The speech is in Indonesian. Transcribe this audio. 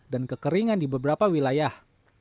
dan kekeringan di beberapa wilayah